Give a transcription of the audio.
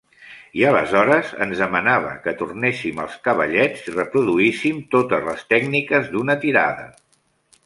I aleshores ens demanava que tornessin als cavallets i reproduíssim totes les tècniques d'una tirada.